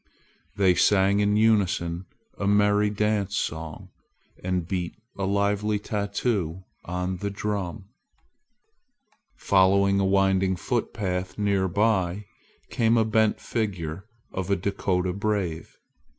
They sang in unison a merry dance song, and beat a lively tattoo on the drum. Following a winding footpath near by, came a bent figure of a Dakota brave.